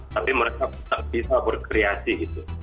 tapi mereka tetap bisa berkreasi gitu